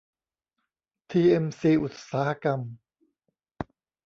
ที เอ็ม ซี อุตสาหกรรม